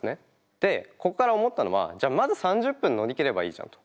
でここから思ったのはじゃあまず３０分のりきればいいじゃんと。